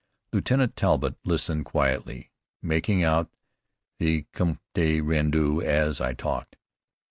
Lieutenant Talbott listened quietly, making out the compte rendu as I talked.